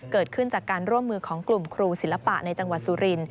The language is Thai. เกิดขึ้นจากการร่วมมือของกลุ่มครูศิลปะในจังหวัดสุรินท